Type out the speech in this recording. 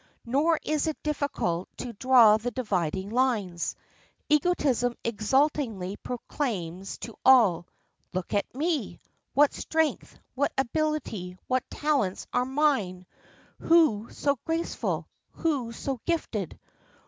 Nor is it difficult to draw the dividing lines. Egotism exultingly proclaims to all, "Look at me. What strength, what ability, what talents are mine! Who so graceful? who so gifted?